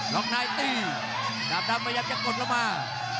ลองนายตีดำดำมัยังจะกดลงมา